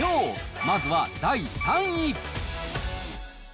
まずは第３位。